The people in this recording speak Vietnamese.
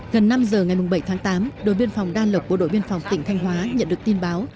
gần năm giờ ngày bảy tháng tám đội biên phòng đan lộc bộ đội biên phòng tỉnh thanh hóa nhận được tin báo